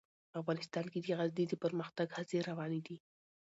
افغانستان کې د غزني د پرمختګ هڅې روانې دي.